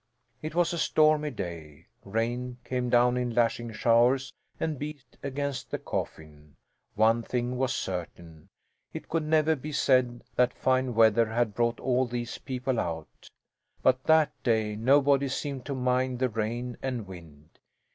It was a stormy day. Rain came down in lashing showers and beat against the coffin. One thing was certain: it could never be said that fine weather had brought all these people out. But that day nobody seemed to mind the rain and wind.